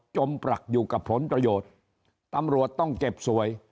ปรักอยู่กับผลประโยชน์ตำรวจต้องเจ็บสวย